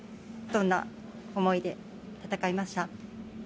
どんな思いで戦いました？